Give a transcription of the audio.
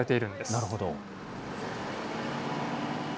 なるほど。